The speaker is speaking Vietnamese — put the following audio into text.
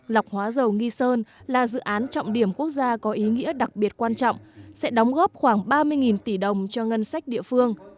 lọc hóa dầu nghi sơn là dự án trọng điểm quốc gia có ý nghĩa đặc biệt quan trọng sẽ đóng góp khoảng ba mươi tỷ đồng cho ngân sách địa phương